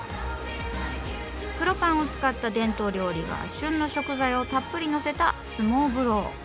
黒パンを使った伝統料理が旬の食材をたっぷりのせたスモーブロー。